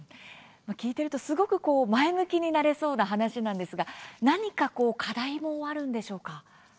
聞いているとすごく前向きになれそうな話なんですが、何かこう課題もあるんでしょうか。